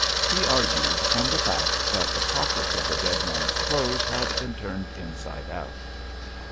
He argued from the fact that the pockets of the dead man's clothes had been turned inside out.